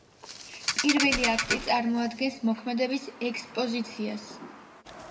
პირველი აქტი წარმოადგენს მოქმედების ექსპოზიციას.